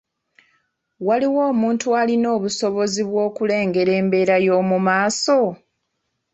Waliwo omuntu alina obusobozi bw’okulengera embeera y'omu maaso?